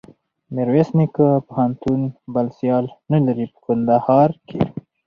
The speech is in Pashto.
میرویس نیکه پوهنتون بل سیال نلري په کندهار کښي.